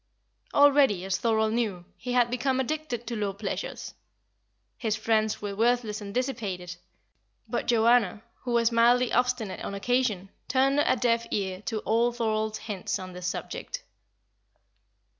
Already, as Thorold knew, he had become addicted to low pleasures. His friends were worthless and dissipated; but Joanna, who was mildly obstinate on occasion, turned a deaf ear to all Thorold's hints on this subject.